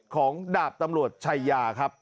ของดาบตำรวจชัยยาครับ